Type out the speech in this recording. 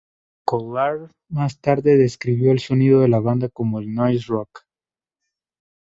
Collar más tarde describió el sonido de la banda como el noise rock.